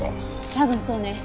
多分そうね。